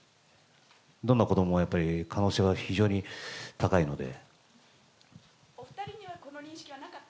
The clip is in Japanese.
どんな子どもも可能性は非常に高いので。